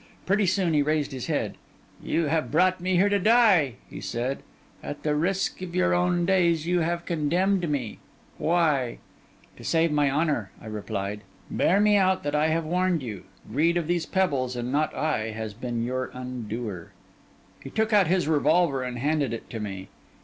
Pretty soon, he raised his head. 'You have brought me here to die,' he said; 'at the risk of your own days, you have condemned me. Why?' 'To save my honour,' I replied. 'Bear me out that I have warned you. Greed of these pebbles, and not I, has been your undoer.' He took out his revolver and handed it to me.